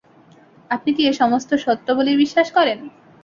আপনি কি এ-সমস্ত সত্য বলেই বিশ্বাস করেন?